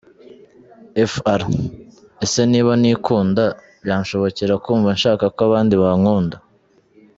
fr : Ese niba ntikunda, byanshobokera kumva nshaka ko abandi bankunda ?.